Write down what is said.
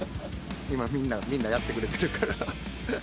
今みんなやってくれてるから。